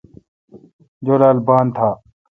جولال بان تھا۔